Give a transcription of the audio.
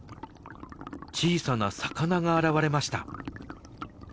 小さな魚が現れました。